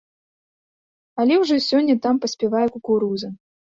Але ўжо сёння там паспявае кукуруза.